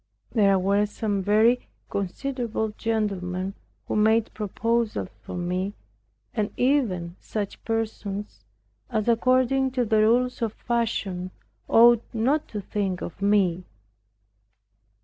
There were some very considerable gentlemen who made proposals for me, and even such persons as according to the rules of fashion ought not to think of me.